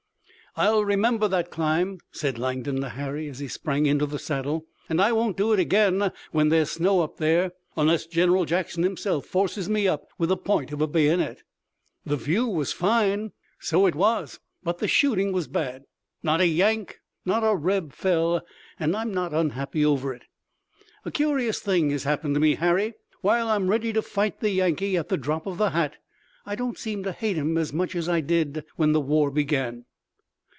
"I'll remember that climb," said Langdon to Harry as he sprang into the saddle, "and I won't do it again when there's snow up there, unless General Jackson himself forces me up with the point of a bayonet." "The view was fine." "So it was, but the shooting was bad. Not a Yank, not a Reb fell, and I'm not unhappy over it. A curious thing has happened to me, Harry. While I'm ready to fight the Yankee at the drop of the hat I don't seem to hate 'em as much as I did when the war began."